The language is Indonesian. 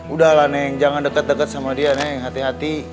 udahlah neng jangan dekat dekat sama dia neng hati hati